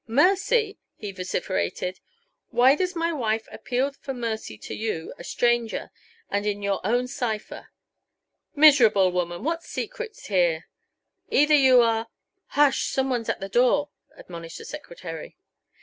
Mercy!" he vociferated. "Why does my wife appeal for mercy to you a stranger and in your own cipher! Miserable woman! What secret's here? Either you are " "Hush! some one's at the door!" admonished the secretary.